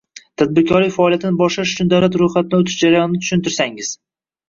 Tadbirkorlik faoliyatini boshlash uchun davlat ro’yxatidan o’tish jarayonini tushuntirsangiz?